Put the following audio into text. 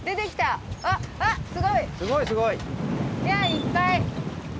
いやいっぱい！